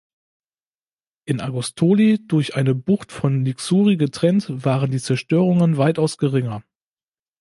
In Argostoli, durch eine Bucht von Lixouri getrennt, waren die Zerstörungen weitaus geringer.